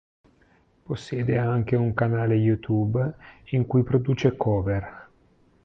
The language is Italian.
Possiede anche un canale YouTube in cui produce cover.